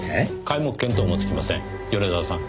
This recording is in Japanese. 皆目見当もつきません。